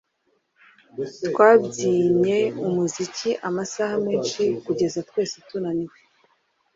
Twabyinnye umuziki amasaha menshi kugeza twese tunaniwe